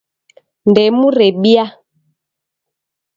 Ndemu rebia